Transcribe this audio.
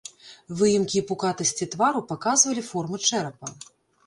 Выемкі і пукатасці твару паказвалі формы чэрапа.